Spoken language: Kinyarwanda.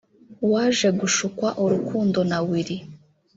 waje gushukwa urukundo na ‘Willy’